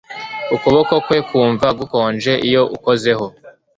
Ukuboko kwe kumva gukonje iyo ukozeho